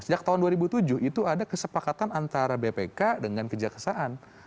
sejak tahun dua ribu tujuh itu ada kesepakatan antara bpk dengan kejaksaan